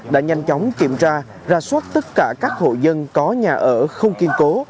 đã nhanh chóng kiểm tra ra soát tất cả các hộ dân có nhà ở không kiên cố